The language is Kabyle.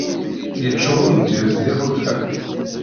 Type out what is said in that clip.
Yeččur umedyaz d iḥulfan.